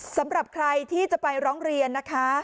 สำหรับใครที่จะไปร้องเรียนนะคะ